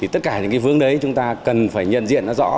tất cả những vướng đấy chúng ta cần phải nhận diện rõ